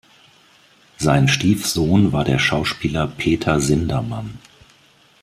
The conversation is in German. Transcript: Sein Stiefsohn war der Schauspieler Peter Sindermann.